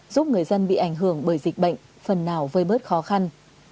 giúp người dân bị ảnh hưởng bởi dịch bệnh phần nào vơi bớt khó khăn